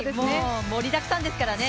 盛りだくさんですからね。